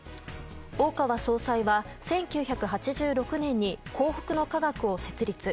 大川総裁は１９８６年に幸福の科学を設立。